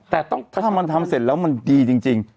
แต่ถ้ามันทำเสร็จแล้วมันดีจริง